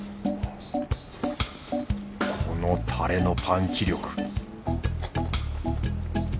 このタレのパンチ力